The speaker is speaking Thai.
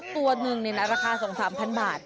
ตัวหนึ่งราคา๒๓๐๐บาท